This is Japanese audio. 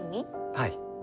はい。